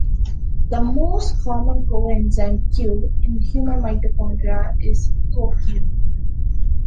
The most common Coenzyme Q in human mitochondria is CoQ.